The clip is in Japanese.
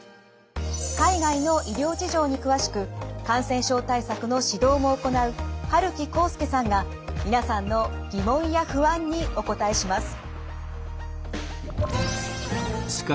海外の医療事情に詳しく感染症対策の指導も行う春木宏介さんが皆さんの疑問や不安にお答えします。